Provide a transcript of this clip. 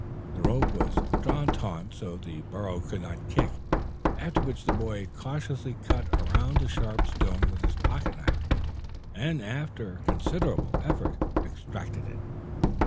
The rope was drawn taut so that the burro could not kick, after which the boy cautiously cut around the sharp stone with his pocket knife, and, after considerable effort, extracted it.